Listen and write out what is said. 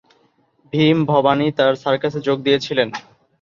ভীম ভবানী তার সার্কাসে যোগ দিয়েছিলেন।